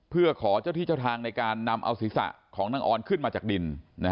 เพื่อขอเจ้าที่เจ้าทางในการนำเอาศีรษะของนางออนขึ้นมาจากดิน